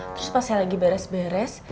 terus pas saya lagi beres beres